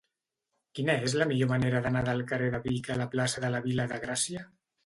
Quina és la millor manera d'anar del carrer de Vic a la plaça de la Vila de Gràcia?